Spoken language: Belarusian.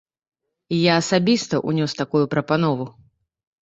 І я асабіста ўнёс такую прапанову.